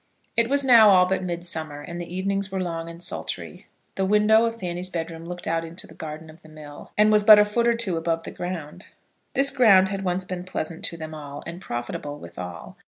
It was now all but midsummer, and the evenings were long and sultry. The window of Fanny's bedroom looked out on to the garden of the mill, and was but a foot or two above the ground. This ground had once been pleasant to them all, and profitable withal.